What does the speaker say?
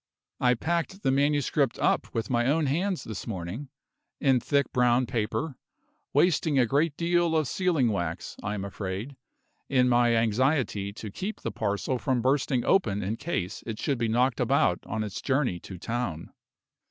I packed the manuscript up with my own hands this morning, in thick brown paper, wasting a great deal of sealing wax, I am afraid, in my anxiety to keep the parcel from bursting open in case it should be knocked about on its journey to town.